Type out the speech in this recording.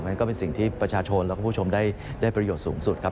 นั่นก็เป็นสิ่งที่ประชาชนแล้วก็ผู้ชมได้ประโยชน์สูงสุดครับ